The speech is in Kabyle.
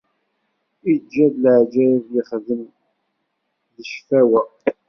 Iǧǧa-d leɛǧayeb yexdem, d ccfawa.